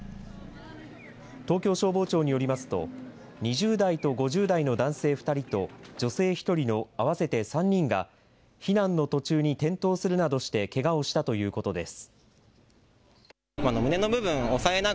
東京消防庁によりますと、２０代と５０代の男性２人と、女性１人の合わせて３人が、避難の途中に転倒するなどしてけがをしたということです。